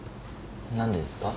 何でですか？